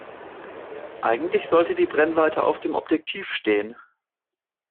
Eigentlich sollte die Brennweite auf dem Objektiv stehen.